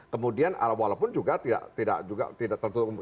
kemudian walaupun juga tidak tentu